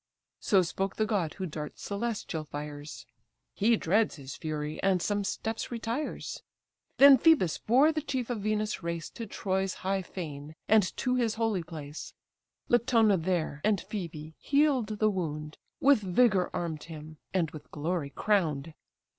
So spoke the god who darts celestial fires: He dreads his fury, and some steps retires. Then Phœbus bore the chief of Venus' race To Troy's high fane, and to his holy place; Latona there and Phoebe heal'd the wound, With vigour arm'd him, and with glory crown'd.